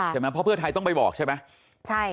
เพราะเพื่อไทยต้องไปบอกใช่ไหม